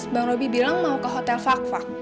bang robby bilang mau ke hotel fakfak